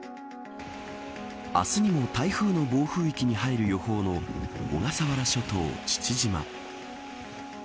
明日にも台風の暴風域に入る予報の小笠原諸島、父島。